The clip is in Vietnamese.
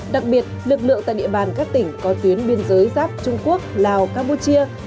đặc biệt lực lượng tại địa bàn các tỉnh có tuyến biên giới giáp trung quốc lào campuchia